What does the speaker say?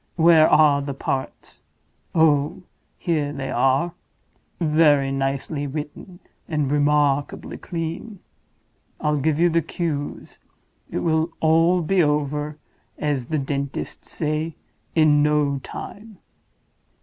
Where are the parts? Oh, here they are! Very nicely written, and remarkably clean. I'll give you the cues—it will all be over (as the dentists say) in no time.